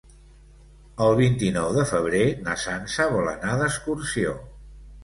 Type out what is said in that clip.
El vint-i-nou de febrer na Sança vol anar d'excursió.